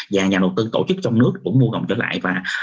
và nhà đầu tư tổ chức trong nước cũng mua đồng trở lại